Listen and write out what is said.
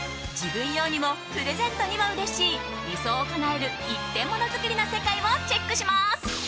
自分用にもプレゼントにもうれしい理想をかなえる一点モノづくりの世界をチェックします。